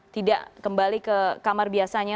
tidak kembali ke kamar biasanya